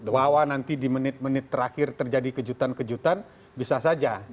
bahwa nanti di menit menit terakhir terjadi kejutan kejutan bisa saja